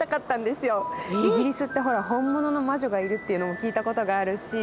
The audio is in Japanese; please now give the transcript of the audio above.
イギリスってほら本物の魔女がいるっていうのも聞いた事があるし